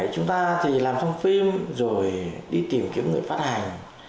chúng ta thì làm trong phim rồi đi tìm kiếm người phát hành